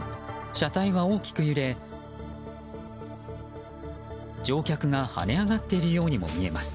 車体は大きく揺れ乗客が跳ね上がっているようにも見えます。